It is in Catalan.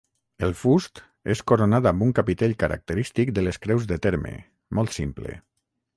El fust és coronat amb un capitell característic de les creus de terme, molt simple.